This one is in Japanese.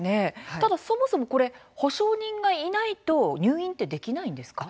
でも、そもそも保証人がいないと入院はできないんですか。